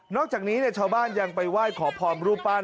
อกจากนี้ชาวบ้านยังไปไหว้ขอพรรูปปั้น